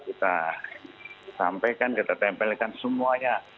kita sampaikan kita tempelkan semuanya